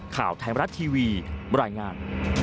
ข่าวไทยมรัฐทีวีบรรยายงาน